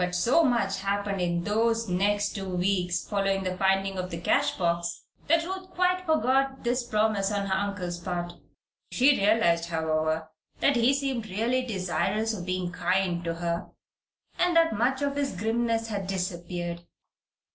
But so much happened in those next two weeks, following the finding of the cash box, that Ruth quite forgot this promise on her uncle's part. She realized, however, that he seemed really desirous of being kind to her, and that much of his grimness had disappeared.